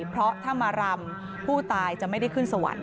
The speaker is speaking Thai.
เพราะถ้ามารำผู้ตายจะไม่ได้ขึ้นสวรรค